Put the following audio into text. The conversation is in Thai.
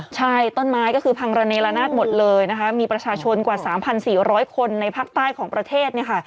ใช่ต้นไม้ก็คือพังระเนละนาดหมดเลยนะคะมีประชาชนกว่า๓๔๐๐คนในภาคใต้ของประเทศเนี่ยค่ะ